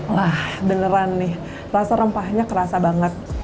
wah beneran nih rasa rempahnya kerasa banget